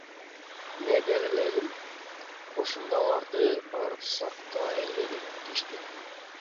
Неберелерим кошуналарды барып сактайлы дешти.